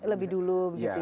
lebih dulu begitu ya